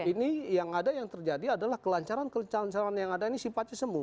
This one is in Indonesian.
jadi apa yang terjadi adalah kelancaran kelancaran yang ada ini sifatnya sembuh